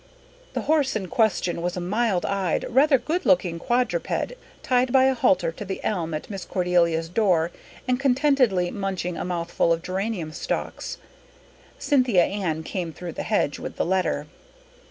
The horse in question was a mild eyed, rather good looking quadruped, tied by a halter to the elm at Miss Cordelia's door and contentedly munching a mouthful of geranium stalks. Cynthia Ann came through the hedge with the letter.